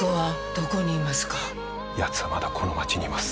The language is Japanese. やつはまだこの街にいます。